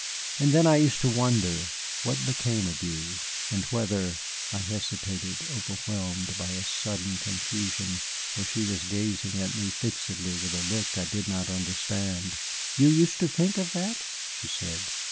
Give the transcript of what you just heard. And then I used to wonder what became of you and whether " I hesitated, overwhelmed by a sudden confusion, for she was gazing at me fixedly with a look I did not understand. "You used to think of that?" she said.